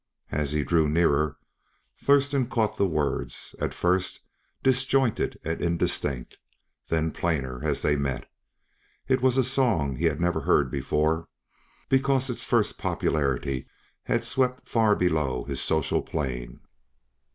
As he drew nearer Thurston caught the words, at first disjointed and indistinct, then plainer as they met. It was a song he had never heard before, because its first popularity had swept far below his social plane.